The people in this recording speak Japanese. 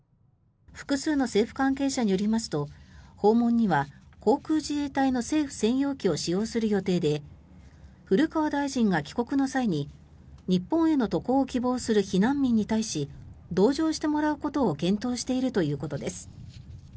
複数の政府関係者によりますと訪問には航空自衛隊の政府専用機を使用する予定で古川大臣が帰国の際に日本への渡航を希望する避難民に対し同乗してもらうことを検討しているということです。